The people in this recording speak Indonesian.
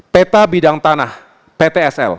peta bidang tanah ptsl